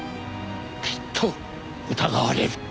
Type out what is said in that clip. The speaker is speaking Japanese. きっと疑われる。